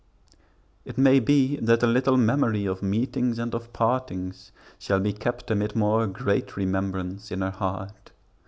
It may be that a little memory Of meetings and of partings shall be kept Amid more great remembrance in her heart.